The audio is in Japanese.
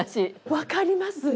分かります！